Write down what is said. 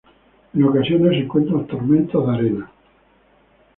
En ocasiones se encuentran tormentas de arena.